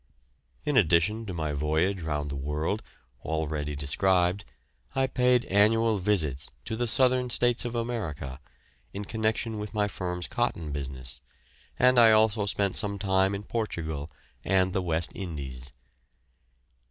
In addition to my voyage round the world, already described, I paid annual visits to the Southern States of America, in connection with my firm's cotton business, and I also spent some time in Portugal and the West Indies.